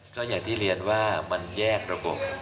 ก็อย่างที่เรียนว่ามันแยกระบบ